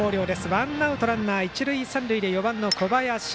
ワンアウトランナー、一塁三塁で４番の小林。